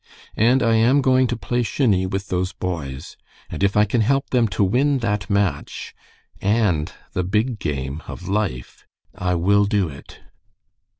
And I am going to play shinny with those boys, and if I can help them to win that match, and the big game of life, I will do it.